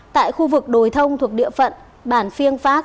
tại khu vực đồi thông thuộc địa phận bản phiêng phát